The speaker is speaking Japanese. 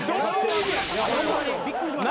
ホンマにびっくりしました。